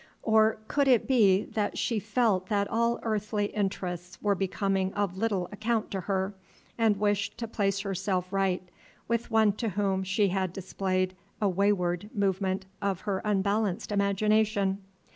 Or could it be that she felt that all earthly interests were becoming of little account to her, and wished to place herself right with one to whom she had displayed a wayward movement of her unbalanced imagination?